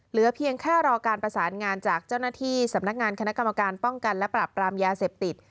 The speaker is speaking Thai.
เหลือเพียงแค่รอการประสานงานจากเจ้าหน้าที่สำนักงานคณะกรรมการป้องกันและปรับปรามยาเสพติด